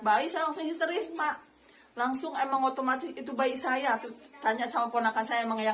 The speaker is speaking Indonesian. baik selesai seri sempat langsung emang otomatis itu bayi saya tanya sama ponakan saya memang yang